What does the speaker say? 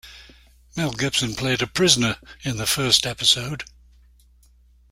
Mel Gibson played a prisoner in the first episode.